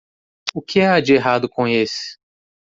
O que há de errado com esse?